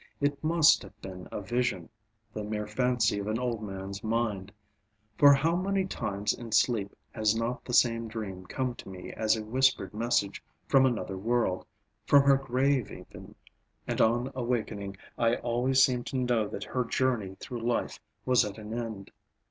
It must have been a vision, the mere fancy of an old man's mind. For how many times in sleep has not the same dream come to me as a whispered message from another world, from her grave even and on awakening I always seemed to know that her journey through life was at an end.